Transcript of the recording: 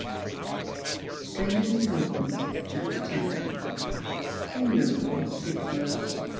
116 Strangers and Pilgrhnt. CHAPTER X. •• Who knows what's fit for us